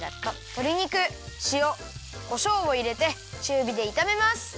とり肉しおこしょうをいれてちゅうびでいためます。